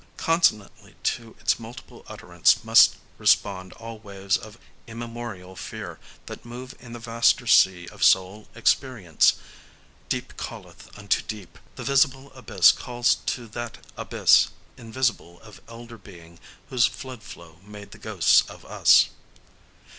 Consonantly to its multiple utterance must respond all waves of immemorial fear that move in the vaster sea of soul experience. Deep calleth unto deep. The visible abyss calls to that abyss invisible of elder being whose flood flow made the ghosts of us.